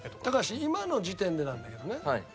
高橋今の時点でなんだけどね。